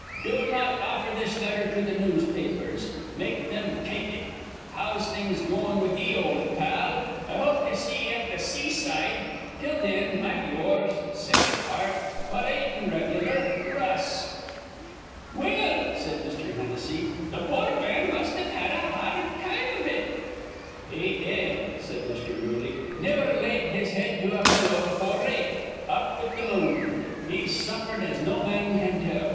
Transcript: Do not offer this letter to th' newspapers. Make thim take it. How's things goin' with ye, ol' pal? I hope to see ye at th' seaside. Till thin, I'm yours, sick at heart, but atin' reg'lar. RUSS.'" "Well," said Mr. Hennessy, "th' poor man must've had a har rd time iv it." "He did," said Mr. Dooley. "Niver laid his head to a pillow before eight, up with th' moon: he's suffered as no man can tell.